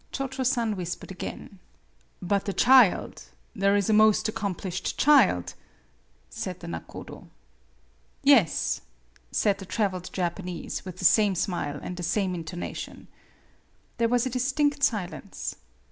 Cho Cho San whispered again. MADAME BUTTERFLY 43 11 But the child there is a most accom plished child ?" said the nakodo. "Yes," said the traveled Japanese, with the same smile and the same intonation. There was a distinct silence.